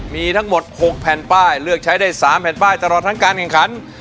มีทั้งหมด๖แผ่นป้ายเลือกใช้ได้๓แผ่นป้ายตลอดทั้งการแข่งขัน